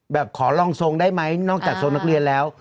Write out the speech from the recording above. ขอลองทรงได้ไหมนอกจากทรงนักเรียนแล้ว